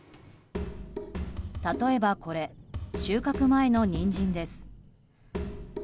例えばこれ収穫前のニンジンです。